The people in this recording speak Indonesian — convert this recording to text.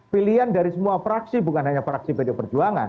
pilihan dari semua praksi bukan hanya praksi bdu perjuangan